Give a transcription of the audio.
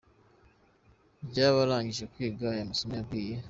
ry’abarangije kwiga aya masomo yabwiye.